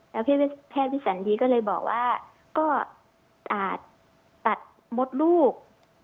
แล้วแพทย์วิสันดีก็เลยบอกว่าก็อาจตัดมดลูก